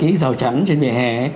cái rào chắn trên vỉa hè